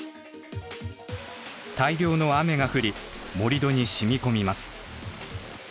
大量の雨が降り盛り土に染み込みます。